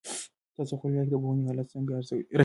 تاسو په خپل ولایت کې د پوهنې حالت څنګه ارزوئ؟